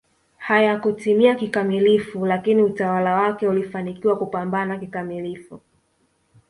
hayakutimia kikamilifu lakini utawala wake ulifanikiwa kupambana kikamilifu